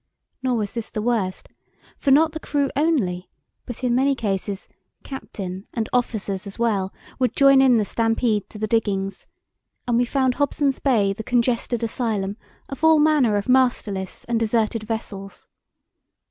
Nor was this the worst; for not the crew only, but, in many cases, captain and officers as well, would join in the stampede to the diggings; and we found Hobson's Bay the congested asylum of all manner of masterless and deserted vessels.